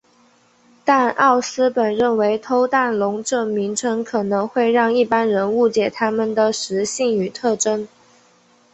但奥斯本认为偷蛋龙这名称可能会让一般人误解它们的食性与特征。